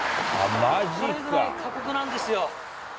これくらい過酷なんですよ。